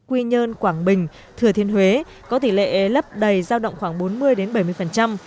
quy nhơn quảng bình thừa thiên huế có tỉ lệ lấp đầy giao động khoảng bốn mươi đến bảy mươi phần trăm